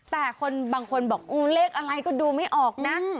แต่คนบางคนบอกเลขอะไรก็ดูไม่ออกนะ